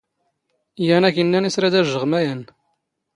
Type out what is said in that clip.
ⵢⴰⵏ ⴰⴽ ⵉⵏⵏⴰⵏ ⵉⵙ ⵔⴰⴷ ⴰⵊⵊⵖ ⵎⴰⵢⴰⵏⵏ.